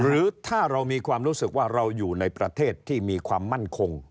หรือถ้าเรามีความรู้สึกว่าเราอยู่ในประเทศที่มีความมั่นคง